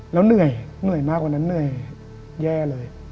แล้วเหนื่อยเหนื่อยมากวันนั้นเหนื่อยแย่เลย